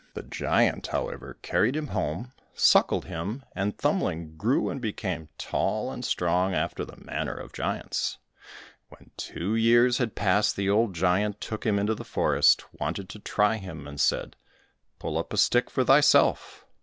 The giant, however, carried him home, suckled him, and Thumbling grew and became tall and strong after the manner of giants. When two years had passed, the old giant took him into the forest, wanted to try him, and said, "Pull up a stick for thyself."